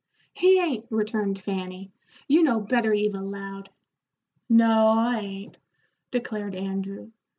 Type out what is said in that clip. "He ain't," returned Fanny "you know better, Eva Loud." "No, I ain't," declared Andrew.